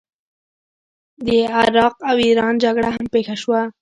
د عراق او ایران جګړه هم پیښه شوه.